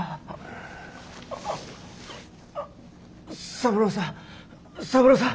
三郎さん三郎さん。